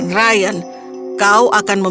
kau akan membiarkan aku menikahi pangeran ryan